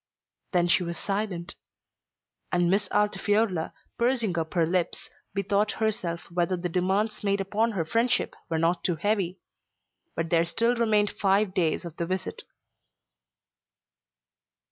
Then she was silent; and Miss Altifiorla, pursing up her lips, bethought herself whether the demands made upon her friendship were not too heavy. But there still remained five days of the visit.